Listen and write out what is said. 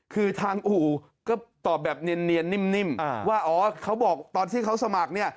คือทางอู่ก็ตอบแบบเนียนนิ่มว่าอ๋อเขาบอกตอนที่เขาสมัครเนี่ย